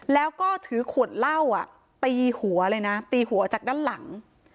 แล้วก็ถือขวดเหล้าตีหัวเลยนะตีหัวจากด้านหลัง